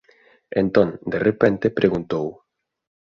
Entón, de repente, preguntou: